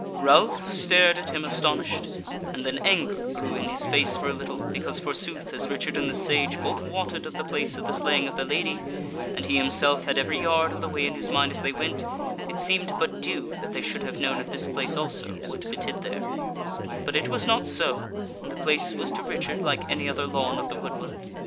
Ralph stared at him astonished, and then anger grew in his face for a little, because, forsooth, as Richard and the Sage both wotted of the place of the slaying of the Lady, and he himself had every yard of the way in his mind as they went, it seemed but due that they should have known of this place also, what betid there: but it was not so, and the place was to Richard like any other lawn of the woodland.